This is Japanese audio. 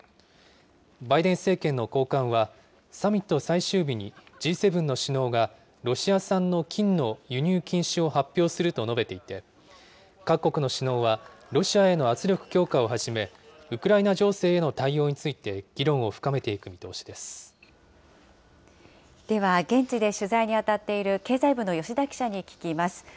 バイデン政権の高官は、サミット最終日に、Ｇ７の首脳がロシア産の金の輸入禁止を発表すると述べていて、各国の首脳は、ロシアへの圧力強化をはじめ、ウクライナ情勢への対応について、では、現地で取材に当たっている経済部の吉田記者に聞きます。